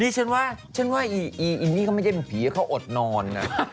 นี่ฉันว่าฉันว่าอีนี่ก็ไม่ใช่หมูผีเขาอดนอน